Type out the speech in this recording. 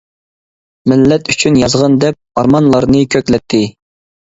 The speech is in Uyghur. مىللەت ئۈچۈن يازغىن دەپ، ئارمانلارنى كۆكلەتتى.